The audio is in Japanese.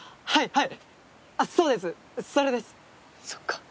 はい。